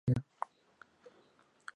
Fue a la Universidad Estatal de Michigan.